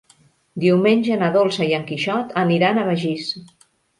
Diumenge na Dolça i en Quixot aniran a Begís.